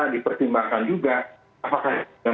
dipertimbangkan juga apakah